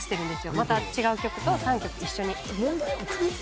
また違う曲と３曲一緒に。